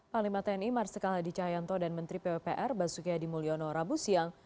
palimateni marsika hadi cahayanto dan menteri pupr basugi hadi mulyono rabu siang